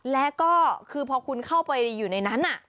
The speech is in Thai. และก็คือพอคุณเข้าไปอยู่ในนั้น